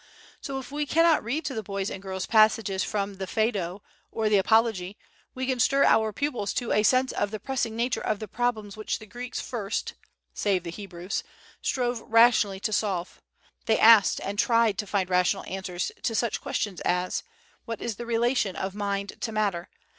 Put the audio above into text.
So if we cannot read to the boys and girls passages from the Phædo or the Apology, we can stir our pupils to a sense of the pressing nature of the problems which the Greeks first (save the Hebrews) strove rationally to solve. They asked and tried to find rational answers to such questions as, What is the relation of mind to matter?